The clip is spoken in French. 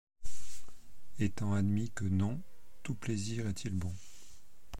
Étant admis que non, tout plaisir est-il bon?